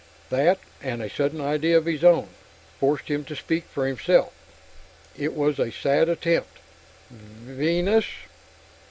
That, and a sudden idea of his own, forced him to speak for himself. It was a sad attempt. "Venus....